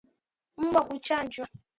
Mbwa kuchanjwa